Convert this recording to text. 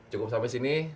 cukup sampai sini